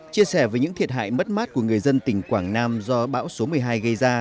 chia sẻ về những thiệt hại mất mát của người dân tỉnh quảng nam do bão số một mươi hai gây ra